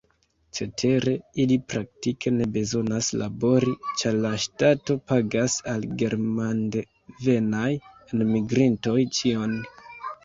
Cetere, ili praktike ne bezonas labori, ĉar la ŝtato pagas al germandevenaj enmigrintoj ĉion.